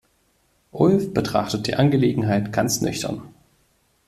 Ulf betrachtet die Angelegenheit ganz nüchtern.